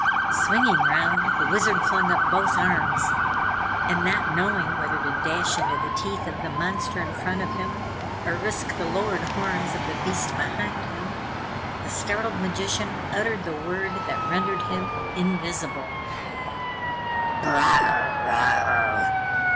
Swinging round, the Wizard flung up both arms and not knowing whether to dash into the teeth of the monster in front of him, or risk the lowered horns of the huge beast behind him, the startled magician uttered the word that rendered him invisible. "Brr rah!"